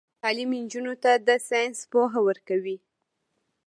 تعلیم نجونو ته د ساينس پوهه ورکوي.